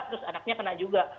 terus anaknya kena juga